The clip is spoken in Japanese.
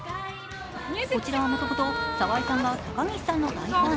こちらはもともと、沢井さんが高岸さんの大ファン。